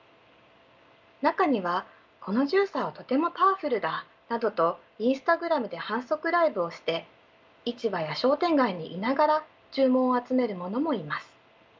中には「このジューサーはとてもパワフルだ」などとインスタグラムで販促ライブをして市場や商店街にいながら注文を集める者もいます。